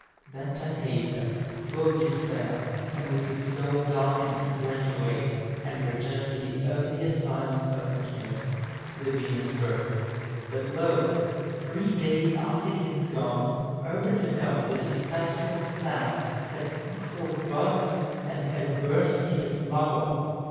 Then Tanhäuser, full of despair, and with his soul darkened, went away, and returned to the only asylum open to him, the Venusberg. But lo! three days after he had gone, Urban discovered that his pastoral staff had put forth buds, and had burst into flower.